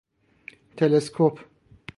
تلسکوپ